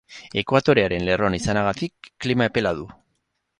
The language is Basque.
Ekuatorearen lerroan izanagatik, klima epela du.